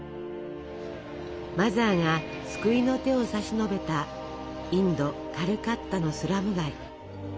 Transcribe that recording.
マザーが救いの手を差し伸べたインド・カルカッタのスラム街。